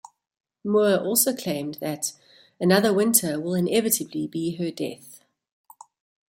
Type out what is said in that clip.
Moore also claimed that "another winter will inevitably be her death".